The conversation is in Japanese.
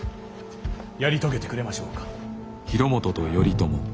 やり遂げてくれましょうか。